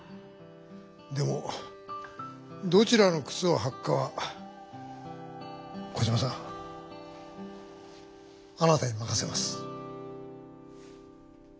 でもどちらのくつをはくかはコジマさんあなたに任せます。